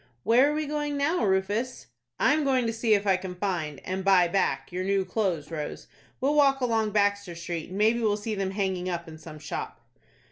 "Where are we going now, Rufus?" "I am going to see if I can find, and buy back, your new clothes, Rose. We'll walk along Baxter Street, and maybe we'll see them hanging up in some shop."